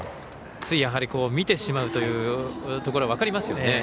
つい、見てしまうというところ分かりますよね。